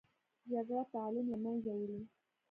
جګړه تعلیم له منځه وړي